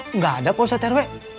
enggak ada pak ustadz rw